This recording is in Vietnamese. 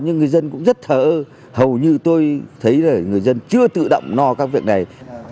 nhưng người dân cũng rất thờ ơ hầu như tôi thấy là người dân chưa tự động no các việc này